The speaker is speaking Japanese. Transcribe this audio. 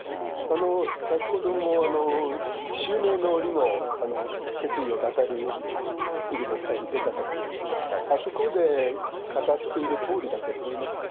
先ほども襲名の折の決意を語るフィルムがさっき出たと思いますが、あそこで語っているとおりだと思いますね。